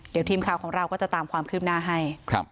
เดี๋ยวทีมข่าวของเราก็จะตามความคืบหน้าให้